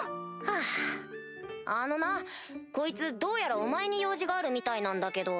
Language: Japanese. ハァあのなこいつどうやらお前に用事があるみたいなんだけど。